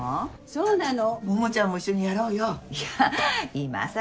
そうなの？